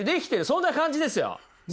そんな感じですよ！